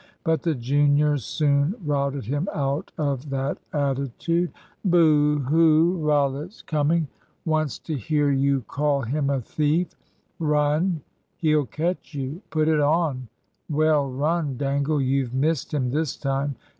But the juniors soon routed him out of that attitude. "Booh, hoo! Rollitt's coming! Wants to hear you call him a thief. Run he'll catch you! Put it on, well run, Dangle, you've missed him this time.